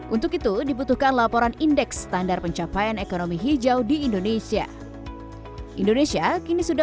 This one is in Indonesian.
untuk itu dibutuhkan laporan indeks standar pencapaian ekonomi hijau di indonesia kini sudah